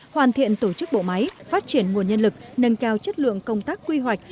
hoàn thiện tổ chức bộ máy phát triển nguồn nhân lực nâng cao chất lượng công tác quy hoạch